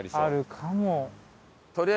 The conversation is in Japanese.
あるかも。